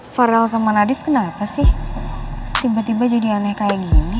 farel sama nadif kenapa sih tiba tiba jadi aneh kayak gini